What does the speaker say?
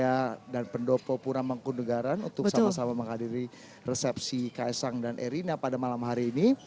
area dan pendopo puramangkunegaraan untuk sama sama menghadiri resepsi ksang dan erina pada malam hari ini